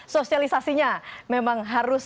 sosialisasinya memang harus